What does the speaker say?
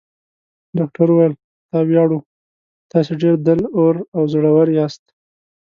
ډاکټر وویل: په تا ویاړو، تاسي ډېر دل اور او زړور یاست.